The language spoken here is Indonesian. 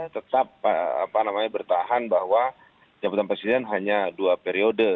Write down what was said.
tetap bertahan bahwa jabatan presiden hanya dua periode